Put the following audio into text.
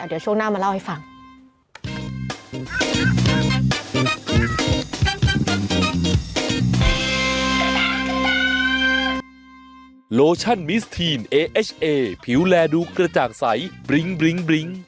เดี๋ยวช่วงหน้ามาเล่าให้ฟัง